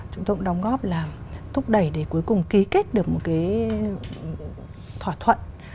chúng tôi cũng đóng góp là thúc đẩy để cuối cùng ký kết được một cái thỏa thuận